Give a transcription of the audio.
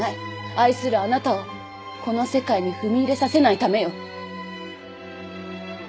愛するあなたをこの世界に踏み入れさせないためよ。